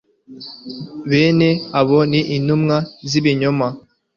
bene abo ni intumwa z ibinyoma